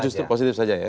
justru positif saja ya